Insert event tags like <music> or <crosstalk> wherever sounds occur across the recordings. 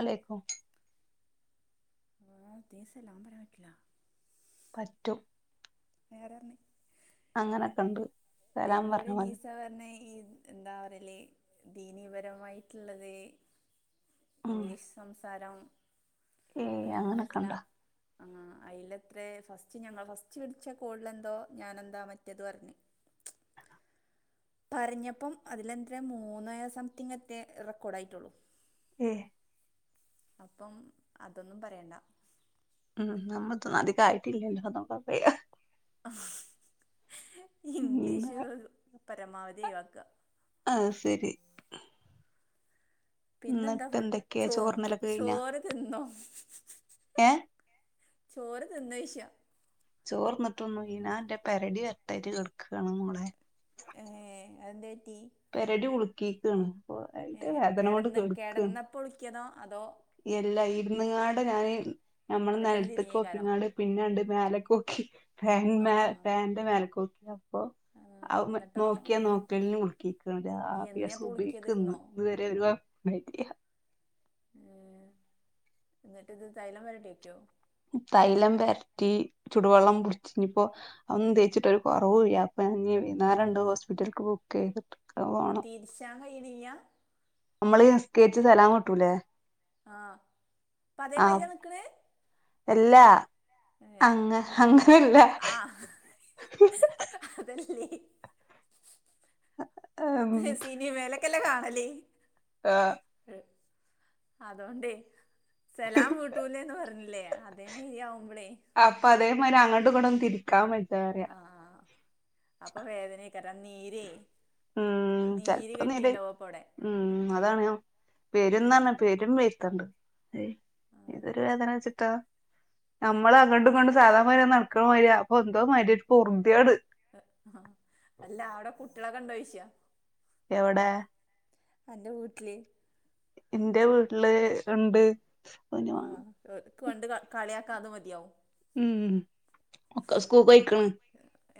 അലേക്കും ആ ഇതിൽ സലാം പറയാൻ പറ്റില്ല പറ്റും നേരറിഞ്ഞി അങ്ങനെക്കണ്ട് എന്നോട് നീസ പറഞ്ഞ ഈ എന്താ പറയല് ദീനീപരമായിട്ടുള്ളത്. ഉം ഇംഗ്ലീഷ് സംസ് സാരം ഏയ് അതൊന്നും പറ്റില്ല അങ്ങനൊക്കെണ്ടാ ആഹ് അയിലത്രേ ഫസ്റ്റ് ഞങ്ങള് ഫസ്റ്റ് വിളിച്ച കോൾലെന്തോ ഞാനെന്താ മറ്റത് പറഞ് പറഞ്ഞപ്പം അതിലെത്ര മൂന്നേ സംതിങ് റ്റേ റെക്കോർഡെയിട്ടുള്ളു ഏഹ് അപ്പം അതൊന്നും പറയണ്ട ഉം നമ്മതോന്നും അദികായിട്ട്ല്ലല്ലേ <unintelligible> ഉം ഇംഗ്ലീഷ് പരമാവധി ഒഴിവാക്ക ആഹ് ശരി പിന്നെന്താ എന്നിട്ട് ഫുഡ് എന്തൊക്കെയാ ചോ ചോറ്ന്നലൊക്കെ കഴിഞ്ഞാ ചോറ് തിന്നോ? ഏഹ് ചോറ് തിന്ന വിഷയം ചോറ്ന്നിട്ടൊന്നുല്ല ഞാന്റെ പെരടി വെരതയിട്ട് കെടകാണ് മോളെ ഏഹ് അത് എന്തെ പറ്റി പെരടി കുളക്കിക്കാണ ഏഹ് വേദന കൊണ്ട് കെടന്ന് കേടുക്ക കെടന്നപ്പോ ഒളിക്കിയതോ അതോ എല്ലാ ഇരുന്നങ്ങാടെ ഞാന് ഞമ്മള് പെട്ടെന്ന് തിരിഞ്ഞേക്കാരം നൽത്ത്ക്കക്കിങ്ങ പിന്നെണ്ട് മലെക്കോക്കിാൻ <unintelligible> ആഹ് പാന്റ് മേലക്കോക്കി അപ്പോ ആഹ് എന്നിട്ടോ നോക്കിയാ നോക്കല ഈ ആഭ്യാസം എന്നയാപ്പൊ വിളിക്കിയത് ഉപയോഗിക്കുന്നു ഇന്നോ ഇത് വരെ <unintelligible> ഉ എന്നിട്ട് ഇത് തൈലം വരട്ടി വക്കോ തൈലം പെരറ്റി ചുടുവെള്ളം പൊടിച്ചഞ്ഞ ഇപ്പോ അന്ന് തേച്ചിട്ട് ഒരു കുറവ്യ അപ്പ <unintelligible> രണ്ട് ഹോസ്പിറ്റലക്ക് ബുക്ക് ചെയ്തിട്ട് നിരിസാഹ ഇഡിയ നമ്മള് നിസ്കേരിച്ച സ്ഥലം കിട്ടൂലേ ആഹ് അപ്പൊ അതേ മതിരി നിൽക്കണേ എല്ലാ അങ്ങ അങ്ങനെല്ല അതല്ല ഉം, സിനി വേലക്കല്ല കാണല്ലേ? ആ അതൊണ്ടേ സലാം വൂട്ടൂലേന്ന് പറഞ്ഞില്ലേ അതേ രിയാവുമ്പോളേ അപ്പൊ അതേമാതിരി അങ്ങട്ട ഇങ്ങട്ട് ഒന്ന് തിരിക്കാൻ പ ആ അപ്പൊ വേദനക്കട്ട നീര് ഉം ചല്പ്പം നീല കെട്ടീണ്ടാവും അപ്പ അവിടെ ഉം അതാണയോ വരും ആഹ് പേരും വരുത്തണ്ട് ഏതൊരു വേദന വെച്ചിട്ടാ നമ്മള് അങ്ങണ്ടും കൊണ്ട് സാധാണമാ നടക്കണ വതിരി അപ്പൊ എന്തോ മതി ഒരു കുറിന്തിയോട് അല്ല അവിടെ കുട്ടികളെ കണ്ടോഴിച്ചിയ എവിടെ എന്റെ വീട്ടില് എന്റെ വീട്ടില് ഉണ്ട് ഓന് വാ- ആഹ കണ്ട് കളിയക്കാത മതിയാവും ഉം ഒക്ക സ്കൂൾ കഴിക്കണ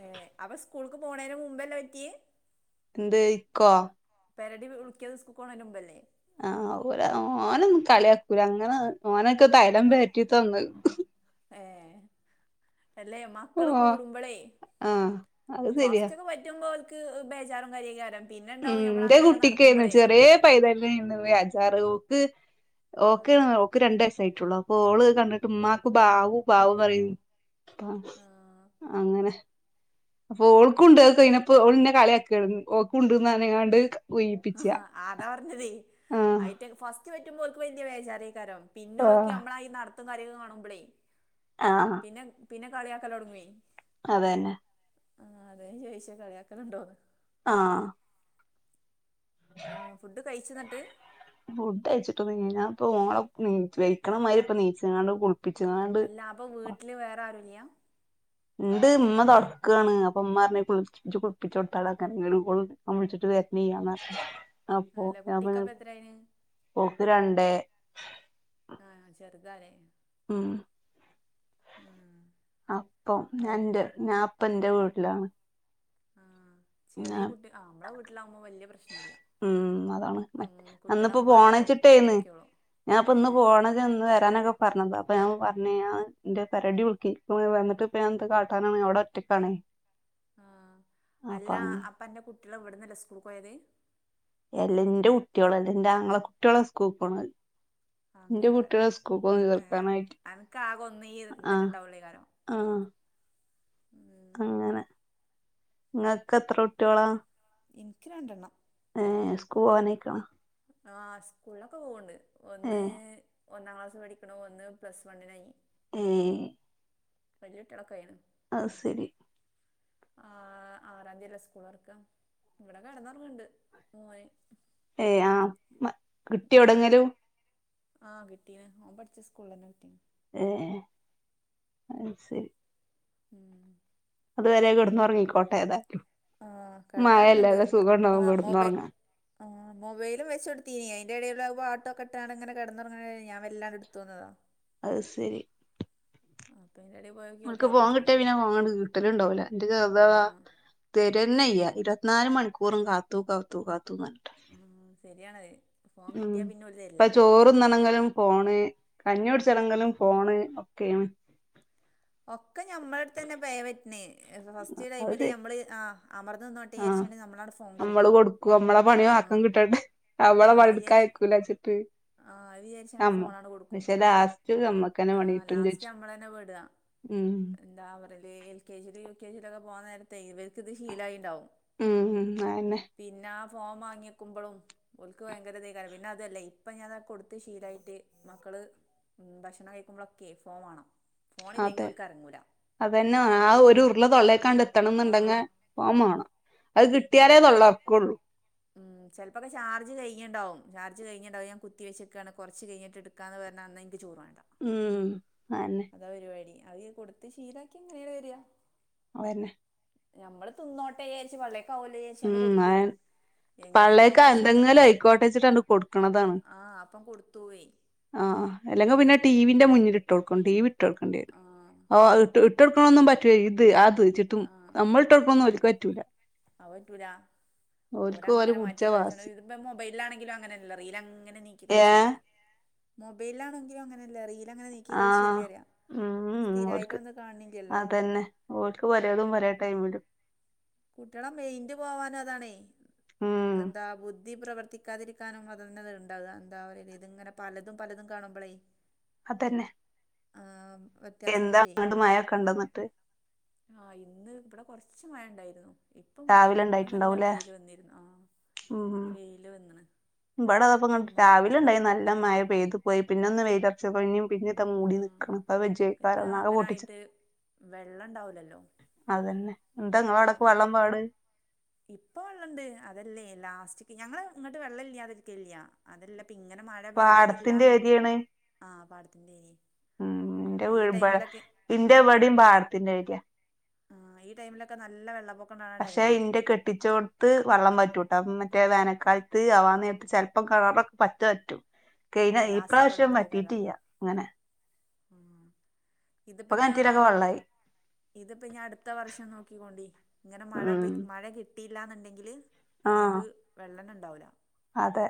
ഏ അവ സ്കൂൾക്ക് പോണേന് മുമ്പല്ലാം പറ്റി എന്ത് ഇക്കോ പരടി ഉളക്കിയത് സ്ക്കോണ വരുമ്പല്ലേ ആഹ് ഓ ഓനൊ കളിയാക്കൂല അങ്ങനെ ഓനൊക്കെ തൈലം പൊതി തന്ന് ഏ അല്ലെ ഓ മക്കള് കൂടുമ്പോളേ ആ അത് ശരിയാ ഫസ്റ്റ് ഒക്കെ പറ്റുമ്പോ ക്ക് ബേജറും കാര്യകാരം ഉം എന്റെ കുട്ടിക്കായിരുന്നു ചെറിയ പൈതല്ല പോ അജാറ് ഓക്ക് ആഹ് ഓക്ക രണ്ട വയസായിട്ടുള്ളു അപ്പൊ ഓള് കണ്ടിട്ട് ഉമ്മാക്ക് ബാവു ബാവന്ന് പറ ആഹ് അങ്ങനെ അപ്പൊ ആഹ് ഓൾക്കുംണ്ട് കേക്ക ഇനിപ്പോ ഓളെ കളയാക്കി ഓ കൊണ്ടന്നാനെങ്ങാണ്ട് ആ അതാ പറഞ്ഞതേ ആഹ് ആയിട്ട് ഫസ്റ്റ് പറ്റുമ്പോൾക്ക് വന്യ വേജറിയ കാരോ പിന്നോക്കി ആഹ് നമ്മള നടത്തും കാര്യങ്ങളും വന്നപ്പളേ ആഹ പിന്നെ പിന്നെ കളിയാക്കൽ തുടങ്ങേ അതെന്നെ ആഹ അത ചോദിച്ച കളിയാക്കലുണ്ടോന്ന് ആഹ ആ ഫുഡ് കഴിച്ചുന്നിട്ട് ഫുഡ് അയച്ചിട്ട്ഞാൻ ഇപ്പ ഓളെ വഴിക്കണമാതിരി ഇപ്പ നീച്ചാണ്ട് കുളിപ്പിച്ചതാണ്ട് പ്പോ വീട്ട്ല് വേറെ ആരുല്ല്യാ? ഇണ്ട് ഉമ്മ തൊടക്ക്യാണ് അപ്പൊ ഉമ്മപറഞ്ഞ് കുളിപ്പിച്ച് ഇജ്ജ്‌ കുളിപ്പിച്ച് കൊട് താള <unintelligible> അവൻ വിളിച്ചിട്ട് വെര്നീയാന്നർഞ് അപ്പൊ അല്ല ഞാൻ പറഞ് കുട്ടിക്കപ്പ എത്രയായിന് പോക്ക് രണ്ടേ ആഹ് ചെറ്താലേ. ഉം ആഹ് അപ്പം ഞാന്റെ ഞാ ഇപ്പെൻ്റെ വീട്ട്ലാണ്.. ആഹ് ചെറിയ കുട്ടി ആഹ് ഞമ്മളെ വീട്ട്ലാവ്മ്പോ വല്ല്യപ്രശ്നല്ല്യാ. ഉം അതാണ് മറ്റ അന്നിപ്പോ പോണ അമ്മമാരാണ് ചിട്ടേന്ന് നോക്കിയോളൂ ഞാൻ ഇപ്പം ഏ ഇന്ന് പോണേ ഇന്ന് വരാനൊക്കെ പറഞ്ഞതാ അപ്പം ഞാൻ പറഞ്ഞി ഞാ ഇൻ്റെ പെരടി ഉൾക്കി വന്നിട്ട് ഇപ്പൊ ഞാൻ എന്ത് കാട്ടാനാണ് അവടെ റ്റ ക്കണേ ആഹ് അല്ല അങ്ങ് അപ്പ അന്റെ കുട്ടിള് ഇവിട്ന്നല്ല സ്കൂൾക്ക്‌ ഓയത്. എല്ല ഇന്റെ കുട്ട്യളോ ഇൻ്റെ ആങ്ങളാ കുട്ടിയോളാ സ്കൂക്ക് പോണാ ഇന്റെ അങ്ങനെ വരാം കുട്ട്യൾ സ്‌കൂക്ക് <unintelligible> നിർത്താനായി അനക്ക് ആകെ ഒന്ന് ഈ ഇതന്നെ ആഹ് ഉണ്ടാവുള്ളേക്കാരം ആഹ്. ഉം അങ്ങനെ ഇങ്ങക്ക് എത്ര കുട്ടിയോളാ? എനിക്ക് രണ്ടണ്ണം. ഏ സ്കൂൾ പോവാനായിക്കണോ? ആഹ് സ്കൂള്ലെക്കെ പോവ്ണ്ട് ഏ ഒന്ന്. ഒന്നാം ക്ലാസ് പഠിക്ക്ണ ഒന്ന് പ്ലസ് വണ്ണ്നായി. ഏഹ് വെല്യകുട്ട്യോളൊക്കയ്യണ്. അഹ് സരി ആഹ് ആറാന്തി അല്ലെ സ്കൂളൊർക്കാ? ഇവ്ടെ കടന്നൊറങ്ങ്ണ്ട് മോന് യെ ആഹ് മ കിട്ട്യോ എവിടെങ്കിലും? ആഹ് കിട്ടിന് ഓൻ പഠിച്ചാ സ്കൂൾ തന്നെ കിട്ടിൻ. യെ അയ് സെരി. ഉം അത് വരെ കെട്ന്ന് ഒറങ്ങികോട്ടേ ഏതായാലും ആ മഴയല്ലേ കിടന്നുറങ്ങണ്ട് നല്ല സുഖണ്ടാവും കെട്ന്ന് ഒർങ്ങാൻ. ആഹ് മൊബൈലും വെച്ച കൊടുത്തീനി അതിന്റെ എടേല് അഹ് പാട്ടൊക്കേ ഇട്ടാണ്ട് ഇങ്ങനെ കെടന്ന് ഒറങ്ങടേൽ ഞാ വെല്ലാണ്ട് ഇട്ത് പോന്നത. അഹ് സെരി അപ്പയ്ന്റെടെ പോയ ഓള്ക്ക് ഫോൺ കിട്ടിയ പിന്നെ ഫോൺ കിട്ടല്ണ്ടാവുല ഇൻ്റെ ആ <unintelligible> തെരന്നെല്ല്യ ഇരുപത്തിനാല് മണിക്കൂറും കാത്തു, കാത്തു, കാത്തു ന്ന ഉം സെരിയാണഹ്. ഉം ഇപ്പം ചോറ് ന്നണങ്കിലും ഫോണ് കഞ്ഞികൂടിച്ചണങ്കിലും ഫോണ് ഒക്ക്യേണ്. ഒക്കെ ഞമ്മളെട്ത്തനെ പെയ പറ്റ്ണ് ഫസ്റ്റ് ടൈമില് അത് ഞമ്മള് ആഹ് അമർന്ന് ന്നി- തെ ആഹ് ര്ച്ചാണ്ട് നമ്മളാണ്ട് നമ്മള് കൊടുക്കോ നമ്മളെ പണി ആർക്കും കിട്ടണ്ടെ ആ നമ്മളെ പണി അത് ഇട്ക്കാ വിചാരിച്ച് യ്ക്കൂല ച്ചിട്ട് ആ അത് വിചാരിച്ചാണ്ട് നമ്മ പക്ഷെ ലാസ്റ്റ് നമ്മ ആഹ് ലാസ്റ്റ് ഞമ്മള് തന്നെ പെടാ ഉം എന്താ പറ എൽ കെ ജി ലും യു കെ ജി ലൊക്കെ പോണ നേരത്തെ ഇവർക്ക് ഇത് ശീലായിണ്ടാവും. ഉം ഉം അയനെ. പിന്നെ ആ ഫോം വാങ്ങിക്ക്മ്പളും ഓൽക്ക് ഭയങ്കര ഇതേക്കാരം പിന്നെ അതല്ലെ ഇപ്പൊ ഞാൻ കൊട്ത്ത് ശീലായിട്ട് മക്കള് ഉം ഭക്ഷ ക്ഷണം കഴിക്കുമ്പോളോക്കെ ഫോൺ വാണം. അതെ അതന്നെ ആ ഒര് ഉരുളാ തൊള്ളേക്കാണ്ട് എത്തണം എന്ന് ഇണ്ടങ്കി ആഹ് ഫേൺ മാണം. അത് ചെല കിട്ടിയാലേ തൊള്ള തൊർക്കള്ളു. ഉം ചെലപ്പൊക്കെ ചാർജ് കയ്ഞ്ണ്ടാവും ചാർജ് കയ്ഞ്ണ്ടാവും ഞാൻകുത്തി വെച്ച്ക്കാണ് കൊറച്ച് കയ്ഞ്ഞട്ട് എട് നിക്കാന്ന് പറഞ്ഞന്ന് എനിക്ക് ചോറ് വേണ്ട ഉം അതന്നെ അതാ പരിപാടി, അത് കൊടുത്ത് ശീലക്കിയാ അങ്ങനന്നെ വരിക അതന്നെ നമ്മള് തിന്നോട്ടെ വിചാരിച്ച് പള്ളേകാവോലേ വിചാരിച്ച് ഉം അ കൊടുക്കും എങ്ങനെയെങ്കിലും പള്ളേക്ക് കുറച്ച് വെള്ള എന്തെങ്കിലും ആഹ് ആയിക്കോട്ടെന്ന് വെച്ചിട്ട് കൊടുക്കണതാണ് ആഹ് അപ്പം കൊടുത്തു പോയി ആഹ് ആഹ് അല്ലെങ്കിൽ പിന്നെ ടി വിന്റെ മുന്നിൽ ഇട്ട് കൊടുക്കും ടി വി ഇട്ടൊടുക്കേണ്ടി വരും ആഹ് ഓഹ് ഇട്ട് ഇട്ടൊടുക്കണൊന്നും പറ്റൂല, ഇത് അത്ച്ചിട്ടും ആഹ് നമ്മളിട്ടെടുക്കണതോന്നും ഓര്ക്ക് പറ്റൂല. അത് പറ്റൂല ഓര് ഓൽക്ക് ഓലെ അങ്ങന പുടിച്ച മാറ്റി കളിച്ചോണ്ട് വാസി ഇപ്പോ മൊബൈലിലാണെങ്കിലും അങ്ങനെ തന്നെയല്ലേ, റീൽ അങ്ങനെ നീക്കി ഏഹ് കളിച്ചല്ലേ മൊബൈലിലാണെങ്കിലും അങ്ങനല്ലേ റീലങ്ങനെ നി ക്ക് ഈ കളി ആഹ് <unintelligible> ഉം സ്ഥിരായിട്ട് ഒന്നും കാണിന്നില്ലല്ലോ ഓല്ക്ക് പലേതും പലേ ടൈമില് കുട്ടികള മൈൻഡ് പോവാനും അതാണേ, ഉം എന്താ ബുദ്ധി പ്രവർത്തി ക്കാതിരിക്കാനും അതന്നെ ഉണ്ടാവുക, എന്താ പറയാ ഇത് ഇങ്ങനെ പലതും പലതും കാണുമ്പളേ അതന്നെ ആഹ് എന്താ അങ്ങട്ട് മയ ഒക്കെ ഉണ്ട എന്നിട്ട് ആഹ് ഇന്ന് ഇവിടെ കൊറച്ച് മഴ ഉണ്ടായിരുന്നു ഇപ്പ രാവിലെ മയയില്ല ഇപ്പൊ നല്ല ഇണ്ടായിട്ടുണ്ടാവൂലേ വെയില് വന്നിരുന്നു ആഹ് ഉം വെയില് വന്നണ് ഇവിടെ വന്നപ്പോ രാവിലെ ഉണ്ടായിന്ന് നല്ല മഴ പെയ്തു പോയി പിന്നെ ഒന്ന് വെയ്ലൊറച്ച <unintelligible> പിന്നെ മൂടി ഉം നിക്കണ് അപ്പൊ <unintelligible> എത്താ ഒന്നാകെ അങ്ങനെ ഓട്ടിച്ച് ആയിട്ട് വെള്ളം ഉണ്ടാവൂലല്ലോ അതന്നെ, എന്നിട്ട് ആ, നിങ്ങളവിടെക്ക വെള്ളം പാട് ഇപ്പൊ വെള്ളോണ്ട്, അതല്ലേ ലാസ്റ്റിക്ക് ഞങ്ങള് ഇങ്ങോട്ട് വെള്ളം ഇല്യാതിരിക്കലില്ല അതല്ല പ്പിങ്ങനെ മഴ പാടത്തിന്റെ പെയ്തിട്ടില്ലന്ന് ഏരിയാണ് ആഹ് പാടത്തിന്റെരി ഉം എന്റെ <unintelligible> ഇന്റെ ഇവിടെയും പാടത്തിന്റെ അരി ആഹ് ഈ ടൈമിലൊക്കെ നല്ല വെള്ളപ്പൊ പക്ഷെ ഇന്റെ കെട്ടിച്ചോ ത്ത് വെള്ളം വറ്റൂട്ടോ മറ്റേ വേനക്കാലത്ത് അവാനേരത്ത് ചെലപ്പം കിണറൊക്കെ പറ്റ വറ്റും ആ കയിഞ്ഞ ഈ ലാസ്റ്റ്ക്ക് വെള്ളം പ്രാവശ്യം ഉണ്ടാവേക്കാരം വറ്റീട്ടില്ല അങ്ങനെ ഉം ഇതിപ്പ ഇപ്പൊ ഇനി കിണറ്റിലൊക്കെ വെള്ളായി ഇതിപ്പ ഇനി അടുത്ത വർഷം നോക്കിക്കോണ്ടി ഇങ്ങനെ മഴ ഉം പെ മഴ കി ട്ടില്ലന്നുണ്ടെങ്കില് ആഹ് നമുക്ക് വെള്ളന്ന ഉണ്ടാവൂല അതെ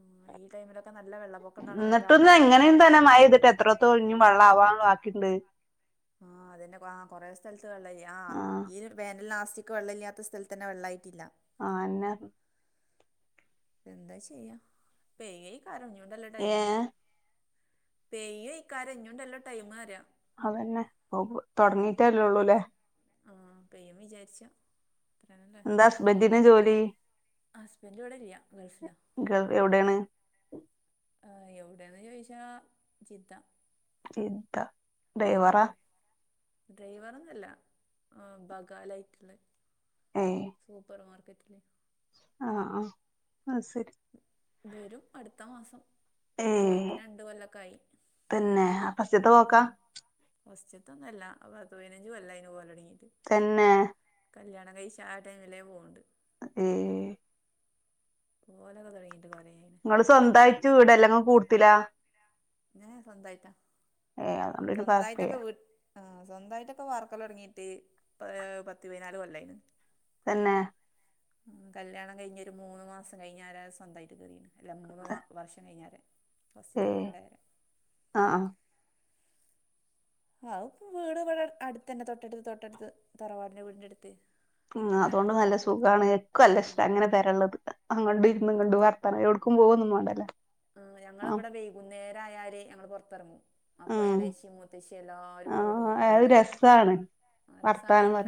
ഉം ഈ ടൈമിലൊക്കെ നല്ല വെള്ളപൊക്കം ഉണ്ടാവണ നേരം ആവുമ്പളേ <unintelligible> മയ പെയ്തിട്ട് എ എത്രത്തോളം ഇനിം വെള്ളം ആവാൻ വാക്കിണ്ട് ആഹ് അതന്നെ ആഹ് കൊറെ സ്ഥലത്ത് വെള്ളല്ല ആഹ് ഈ വേനൽ ലാസ്റ്റ് ക്ക് വെള്ള ഇല്ലാത്ത സ്ഥലത്ത് തന്നെ വെള്ളായിട്ടില്ല ആഹ് ന്ന എന്താ ചെയ്യാ, പെയ്യായി കാരോഞ്ഞോണ്ടല്ല ടൈം ഏഹ് പെയ്യ് ഈ കരഞ്ഞോണ്ടാല്ല ടൈം തരാ അതന്നെ <unintelligible> തൊടങ്ങീട്ടല്ലുള്ളൂ അല്ലേ ആഹ് പെയ്യും വിചാരിച്ചാ <unintelligible> ഹസ്‌ബൻ്റിൻ്റെ ജോലി ഹസ്ബൻഡ് ഇവിടെ ഇല്യാ, ഗൾഫിലാ. <unintelligible> എവിടെയാണ്? ആഹ് എവിടെയാന്ന് ചോയിച്ചാ ജിദ്ധ ജിദ്ധ ഉം ഡ്രൈവർ ഒന്നല്ല ആഹ് ബഗാലായിട്ടുള്ള ഏഹ് സൂപ്പർമാർക്കറ്റ്ല് ആഹ് ആഹ് ആഹ് ശരി വരും അടുത്ത മാസം പോയിട്ട് ഏഹ് രണ്ട് കൊല്ലൊക്കായി പിന്നെ ആ ഫസ്റ്റ്ത്തെ പോക്കാ മ്മ്ഹ് ഫസ്റ്റത്തൊന്നല്ല പത്തുപതിനഞ്ച് കൊല്ലായീന് പോഒലോടങ്ങയിട്ട് തന്നെ കല്യാണം കഴിച്ച ആഹ് ടൈമിലേ പോണ്ട് അതെ പോവലെക്കെ തുടങ്ങിട്ട് കുറെയായി നമ്മള് സ്വന്തയിട്ട് വീടല്ലങ്കും കൂടത്തില സ്വന്തായിട്ടാ ഏഹ് അതോണ്ട് പിന്നെ കൊഴപ്പല്ല സ്വന്തായിട്ടൊക്കെ വീട്ട ആഹ് സ്വന്തമായിട്ടൊക്കെ വാർക്കല്ല തുടങ്ങിട്ട് ഇപ്പ പത്ത് പതിനാല് കൊല്ലായിന് തന്നെ മ്മ്ഹ് കല്യാണം കഴിഞ്ഞൊരു മൂന്ന് മാസം കഴിഞ്ഞ ആരാ സ്വന്തമായിട്ട് കേയറീത് അല്ല മൂന്ന് വർഷം കഴിഞാല് ഏഹ് ആഹ് ആഹ്പ്പ വീട് ഇവിടെ അടുത്തന്നെ തൊട്ടടുത്ത് തൊട്ടടുത്ത് തറവാടിന്റെ വീടിന്റെ അടുത്ത് ഉം എല്ലാരും അതുകൊണ്ട് തൊട്ട് നല്ല തൊട്ടടുത്താ സുഖാണ് ക്കല്ല ഇഷ്ട ഉം അങ്ങനെ പെരള്ളത് അങ്ങട്‌ ഉം ഇന്നങ്ങണ്ടും അടുത്താ വർത്തനം എവിടക്കും പോവന്നും വേണ്ടല്ല ആഹ് ഞങ്ങ ള വിടെ വൈകുന്നേരായാല് ഞങ്ങള് പൊറത്തെറങ്ങും അപ്പൊ ഉം ഇളേശി മൂത്തേശി എല്ലാരും റോട്ടുമ്പകട് കേറി വരും ന്താണ് വർത്താനം പറ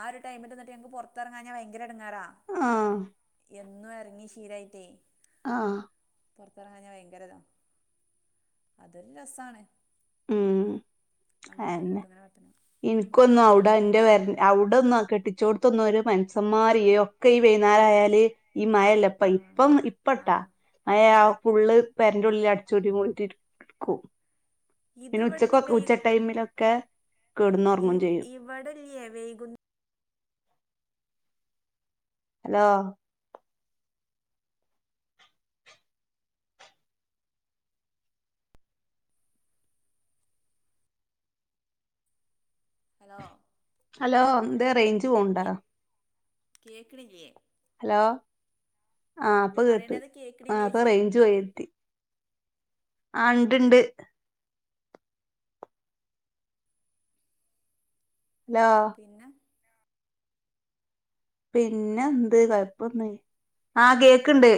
ആഹ് ഒരു ടൈമില്ലെന്നിട്ട് ഞങ്ങക്ക് പുറത്തിറങ്ങാഞ്ഞാ ഭയങ്കര എടങ്ങേറാ ആഹ് എന്നും എറങ്ങി ശീലായിട്ടേ ആഹ് പൊറത്തിറങ്ങാഞ്ഞ ഭയങ്കരതാ അതൊരു രസാണ് ഉം അങ്ങോട്ടും അയന്നെ ഇങ്ങോട്ടും ഇങ്ങനെ വർത്ത വർത്താനോ പറഞ്ഞിരിക്കണം അവിടൊന്ന് കെട്ടിച്ചോടുത്തൊന്ന ഒരു മൻസന്മാരയോ ഒക്കെ ഈ വൈന്നേരായാല് ഈ മഴേള്ളപ്പോ ആഹ് ഇപ്പം ഇപ്പട്ടാ ആഹ് അയ് ആഹ് ഫുള്ള് പേരെന്റെള്ളിൽ അടചൂട്ടിടുക്കും പിന്ന ഇതിവിടെനി ഉച്ചക്കോക്ക ഉച്ച ടൈമിലൊക്കെ കെടന്നൊറങ്ങും ചെയ്യും ഇവിടെല്യേ വൈകു ഹലോ ഹലോ ഹലോ ന്തേ റേഞ്ച് പോവ് ണ്ടോ കേക്കണില്യേ ഹലോ ആഹ് പ്പ കേട്ട് പറയണത് ആപ്പ കേക്കണില്ലേച്ചിയ റേഞ്ച് പോയെത്തി ആ ണ്ട്ണ്ട് ലോ പിന്നെ പിന്നന്ത് കൊഴപ്പന്ന് ആ കേക്ക്ണ്ട്